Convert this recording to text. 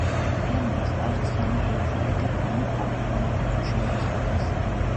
ფერმერს ჰყავს ცხენი ჰეიზელი და პონი პოლი, რომელთაც უშენებს ღობეს.